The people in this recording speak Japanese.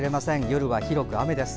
夜は広く雨です。